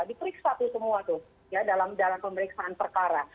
dikeriksa itu semua tuh dalam pemeriksaan perkara